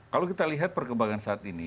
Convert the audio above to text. kalau kita lihat perkembangan saat ini